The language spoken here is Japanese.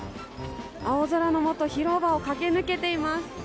青空の下広場を駆け抜けています。